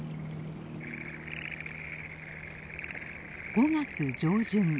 ５月上旬。